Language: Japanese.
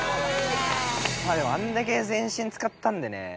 あんだけ全身使ったんでね